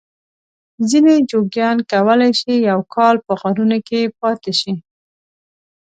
ځینې جوګیان کولای شي یو کال په غارونو کې پاته شي.